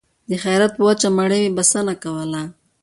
د خیرات په وچه مړۍ مې بسنه کوله